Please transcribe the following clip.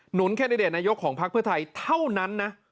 นุนแคนดิเดตนายกของพักเพื่อไทยเท่านั้นนะ